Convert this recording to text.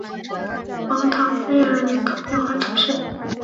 蒙唐贝尔人口变化图示